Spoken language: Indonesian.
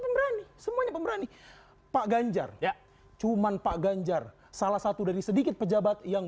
pemberani semuanya pemberani pak ganjar ya cuman pak ganjar salah satu dari sedikit pejabat yang